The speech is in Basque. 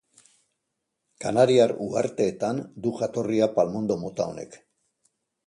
Kanariar Uharteetan du jatorria palmondo mota honek.